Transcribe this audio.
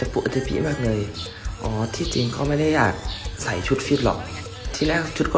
ปกติผีมากเลยอ๋อที่จริงเขาไม่ได้อยากใส่ชุดฟิตหรอกที่แรกชุดก็